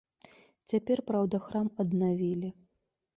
Цяпер, праўда, храм аднавілі.